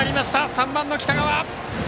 ３番の北川。